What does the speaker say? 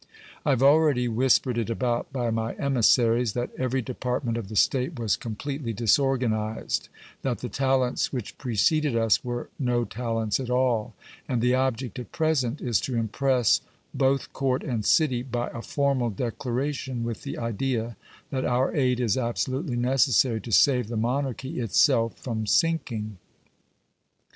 I have already whispered it about by my emissaries, that every department of the state was completely disorganized, that the talents which preceded us were no talents at all ; and the object at present is to impress both court and city by a formal declaration with the idea, that our aid is absolutely necessary to save the monarchy itself from sinking.